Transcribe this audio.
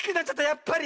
やっぱり。